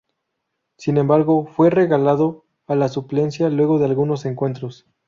Sin embargo, fue relegado a la suplencia luego de algunos encuentros.